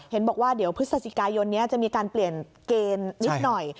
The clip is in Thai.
เห็นบอกว่าเดี๋ยวพฤศจิกายนนี้จะมีการเปลี่ยนเกณฑ์นิดหน่อย